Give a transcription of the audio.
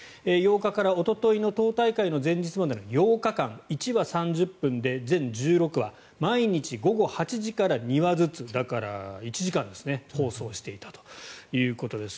９日からおとといの党大会の前日までの８日間１話３０分で全１６話毎日午後８時から２話ずつだから１時間放送していたということです。